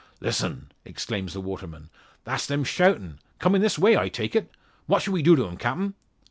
"Lissen!" exclaims the waterman; "that's them shoutin'! Comin' this way, I take it. What should we do to 'em, Captain?"